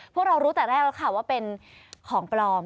พวกเรารู้แต่แรกแล้วค่ะว่าเป็นของปลอม